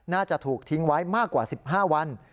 น่าจะถูกทิ้งไว้มากกว่า๑๕วัน